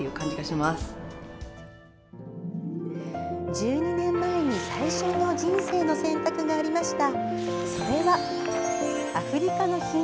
１２年前に、最初の「人生の選択」がありました。